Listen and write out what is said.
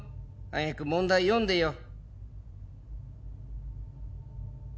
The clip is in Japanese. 早く問題読んでよ。